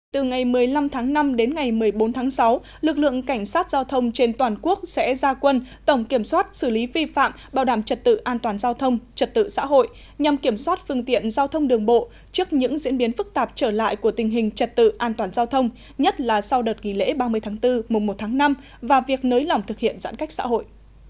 từ ngày một mươi năm tháng năm đến ngày một mươi bốn tháng sáu lực lượng cảnh sát giao thông trên toàn quốc sẽ ra quân tổng kiểm soát xử lý phi phạm bảo đảm trật tự an toàn giao thông trật tự xã hội nhằm kiểm soát phương tiện giao thông đường bộ trước những diễn biến phức tạp trở lại của tình hình trật tự an toàn giao thông nhất là sau đợt nghỉ lễ ba mươi tháng bốn mùng một tháng năm và việc nới lỏng thực hiện giãn cách xã hội